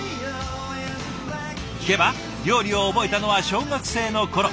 聞けば料理を覚えたのは小学生の頃。